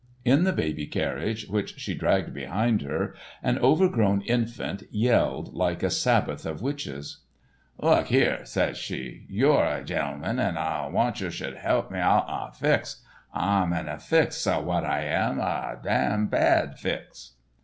In the baby carriage, which she dragged behind her, an overgrown infant yelled like a sabbath of witches. "Look here," says she; "you're a gemmleman, and I wantcher sh'd help me outen a fix. I'm in a fix, s'wat I am—a damn bad fix."